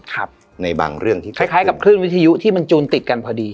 ครับในบางเรื่องที่คล้ายกับคลื่นวิทยุที่มันจูนติดกันพอดี